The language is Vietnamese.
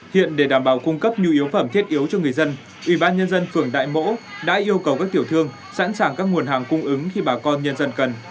hiện để đảm bảo cung cấp nhu yếu phẩm thiết yếu cho người dân ubnd phường đại mỗ đã yêu cầu các tiểu thương sẵn sàng các nguồn hàng cung ứng khi bà con nhân dân cần